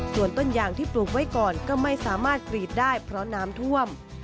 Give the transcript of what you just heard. ส่วนต้นยางที่ปลูกไว้ก่อนก็ไม่สามารถกรีดได้เพราะน้ำท่วม